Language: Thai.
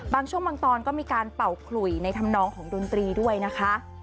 บางช่วงบางตอนก็มีการเป่าขลุยในธรรมนองของดนตรีด้วยนะคะ